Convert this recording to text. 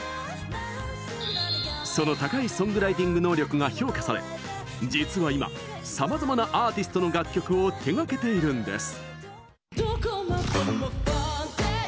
その高いソングライティング能力が評価され、実は今さまざまなアーティストの楽曲を手がけているんです。